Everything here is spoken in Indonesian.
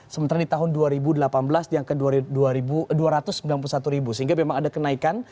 sementara di tahun dua ribu delapan belas di angka dua ratus sembilan puluh satu sehingga memang ada kenaikan